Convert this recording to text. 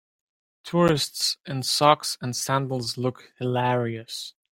Tourists in socks and sandals look hilarious.